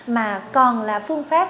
mà còn là phương pháp